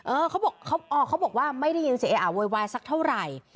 เขาบอกเขาอ๋อเขาบอกว่าไม่ได้ยินเสียงเออะโวยวายสักเท่าไหร่